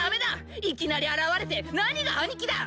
いきなり現れて何が兄貴だ！